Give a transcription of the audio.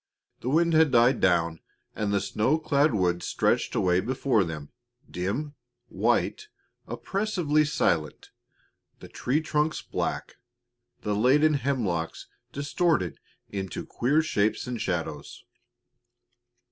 The wind had died down and the snow clad woods stretched away before them, dim, white, oppressively silent, the tree trunks black, the laden hemlocks distorted into queer shapes and shadows.